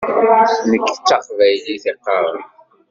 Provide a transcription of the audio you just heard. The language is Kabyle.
Nekk d taqbaylit i qqaṛeɣ.